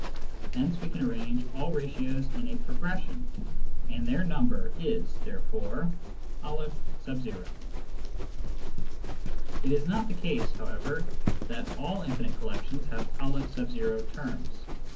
Hence we can arrange all ratios in a progression, and their number is therefore M . It is not the case, however, that all infinite collections have N terms.